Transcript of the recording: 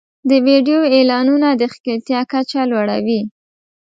د ویډیو اعلانونه د ښکېلتیا کچه لوړوي.